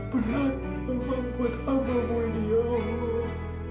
beratlah membuat hambamu ini allah